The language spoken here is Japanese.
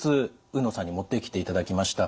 海野さんに持ってきていただきました。